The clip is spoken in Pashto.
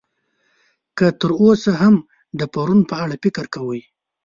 که تر اوسه هم د پرون په اړه فکر کوئ.